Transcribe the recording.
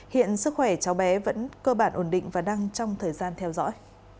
hiện sức khỏe cháu bé vẫn cơ bản ổn định và đang trong thời gian theo dõi